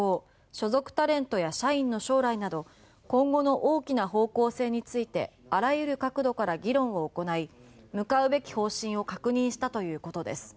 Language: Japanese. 所属タレントや社員の将来など今後の大きな方向性についてあらゆる角度から議論を行い向かうべき方針を確認したということです。